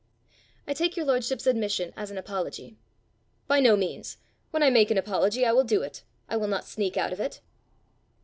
I take your lordship's admission as an apology." "By no means: when I make an apology, I will do it; I will not sneak out of it."